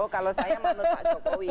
kalau saya menurut pak jokowi